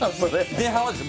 前半はですよ